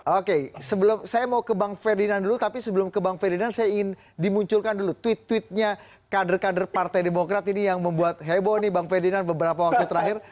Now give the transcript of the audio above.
oke sebelum saya mau ke bang ferdinand dulu tapi sebelum ke bang ferdinand saya ingin dimunculkan dulu tweet tweetnya kader kader partai demokrat ini yang membuat heboh nih bang ferdinand beberapa waktu terakhir